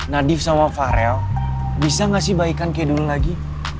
nadif sama farel bisa gak sih baikan kayak dulu lagi